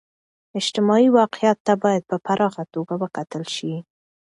اجتماعي واقعیت ته باید په پراخه توګه و کتل سي.